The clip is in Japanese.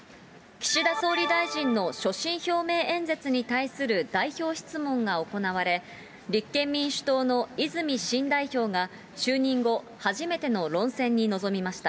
岸田総理大臣の所信表明演説に対する代表質問が行われ、立憲民主党の泉新代表が、就任後、初めての論戦に臨みました。